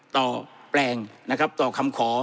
แปลงนะครับต่อคำขอ